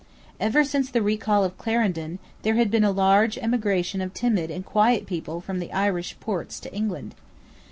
Ever since the recall of Clarendon there had been a large emigration of timid and quiet people from the Irish ports to England.